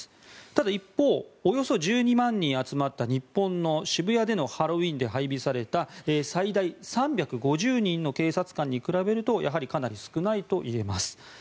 ただ、一方およそ１２万人集まった日本の渋谷でのハロウィーンで配備された最大３５０人の警察官に比べるとやはりかなり少ないといえます。